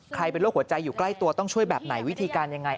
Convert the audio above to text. เป็นโรคหัวใจอยู่ใกล้ตัวต้องช่วยแบบไหนวิธีการยังไง